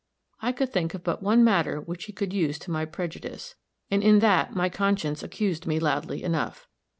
I could think of but one matter which he could use to my prejudice; and in that my conscience accused me loudly enough.